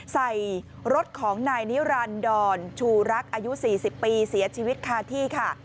ใส่รถของนายนิรันดรชูรักอายุ๔๐ปีเสียชีวิตคาที่ค่ะ